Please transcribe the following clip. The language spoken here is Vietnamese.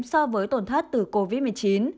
so với tổn thất từ covid một mươi chín